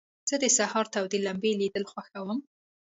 زه د سهار تود لمبې لیدل خوښوم.